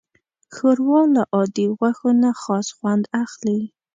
ښوروا له عادي غوښو نه خاص خوند اخلي.